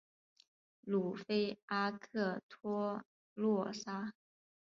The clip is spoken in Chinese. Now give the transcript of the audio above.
鲁菲阿克托洛桑。